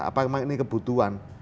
apa memang ini kebutuhan